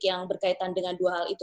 yang berkaitan dengan dua hal itu